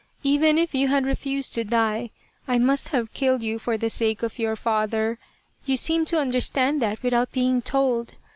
Even if you had refused to die, I must have killed you for the sake of your father you seem to understand that without being told.